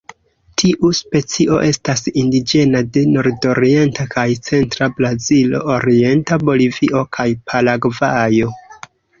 Tiu specio estas indiĝena de nordorienta kaj centra Brazilo, orienta Bolivio kaj Paragvajo.